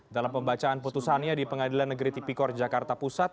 dalam pembacaan putusannya di pengadilan negeri tipikor jakarta pusat